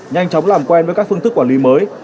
nhanh chóng làm quen với các phương thức quản lý mới